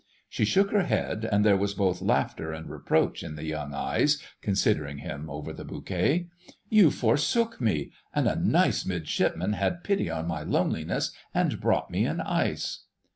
She shook her head, and there was both laughter and reproach in the young eyes considering him over the bouquet. "You forsook me—and a nice Midshipman had pity on my loneliness and brought me an ice."